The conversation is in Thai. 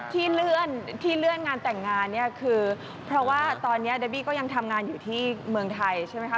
ที่เลื่อนที่เลื่อนงานแต่งงานเนี่ยคือเพราะว่าตอนนี้เดบี้ก็ยังทำงานอยู่ที่เมืองไทยใช่ไหมคะ